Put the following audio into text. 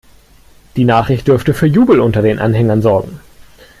Die Nachricht dürfte für Jubel unter den Anhängern sorgen.